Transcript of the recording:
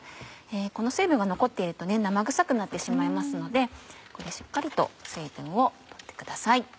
この水分が残っていると生臭くなってしまいますのでここでしっかりと水分を取ってください。